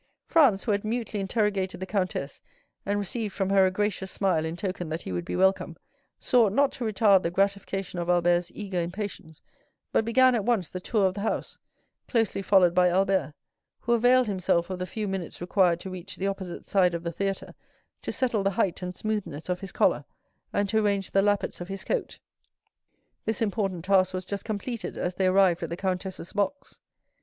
Franz, who had mutely interrogated the countess, and received from her a gracious smile in token that he would be welcome, sought not to retard the gratification of Albert's eager impatience, but began at once the tour of the house, closely followed by Albert, who availed himself of the few minutes required to reach the opposite side of the theatre to settle the height and smoothness of his collar, and to arrange the lappets of his coat. This important task was just completed as they arrived at the countess's box.